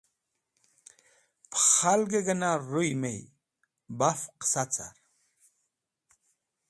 Pẽ khalgẽ gẽna rũy mey baf qẽsa car.